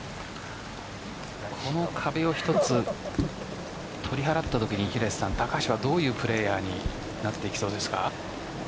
この壁を一つ取り払ったときに平瀬さん、高橋はどういうプレーヤーになっていきそうですか。